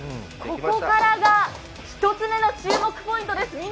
ここからが１つ目の注目ポイントです。